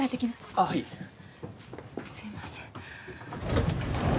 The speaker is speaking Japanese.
あっはいすいません